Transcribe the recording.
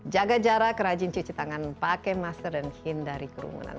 jaga jarak rajin cuci tangan pakai masker dan hindari kerumunan